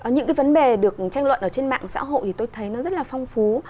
những vấn đề được tranh luận trên mạng xã hội thì tôi thấy nó rất là phong phú